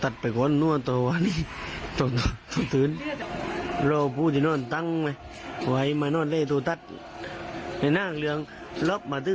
เดี๋ยวลองไปดูกันหน่อยค่ะ